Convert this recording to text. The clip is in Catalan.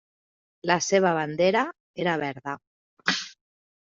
La seva bandera era verda.